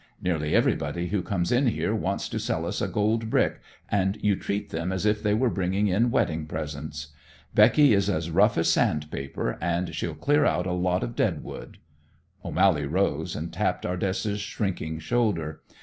Nearly everybody who comes in here wants to sell us a gold brick, and you treat them as if they were bringing in wedding presents. Becky is as rough as sandpaper, and she'll clear out a lot of dead wood." O'Mally rose, and tapped Ardessa's shrinking shoulder.